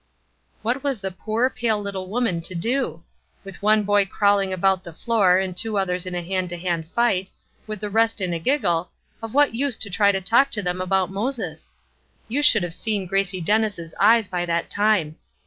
What was the poor, pale little woman to do? With one boy crawling about the floor and two others in a hand to hand fight, with the rest in a giggle, of what use to try to talk to them about Moses? You should have seen Gracie Dennis eyes by that time!